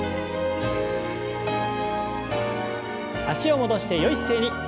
脚を戻してよい姿勢に。